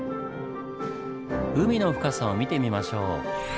海の深さを見てみましょう。